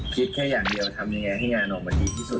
คิดแค่อย่างเดียวทำยังไงให้งานออกมาดีที่สุด